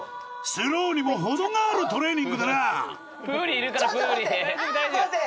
スローにも程があるトレーニングだなちょっと待って！